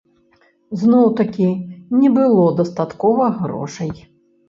Зноў-такі не было дастаткова грошай.